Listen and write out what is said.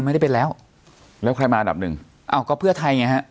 ไม่ได้เป็นแล้วแล้วใครมาอันดับหนึ่งอ้าวก็เพื่อไทยไงฮะ